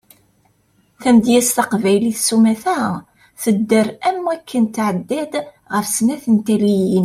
Tamedyazt taqbaylit sumata tedder am waken tɛedda-d ɣef snat n taliyin.